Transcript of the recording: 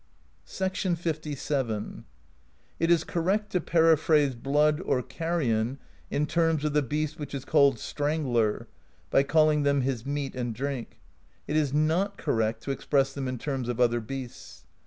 LVII. " It is correct to periphrase blood or carrion in terms of the beast which is called Strangler,"* by calling them his Meat and Drink; it is not correct to express them in terms of other beasts.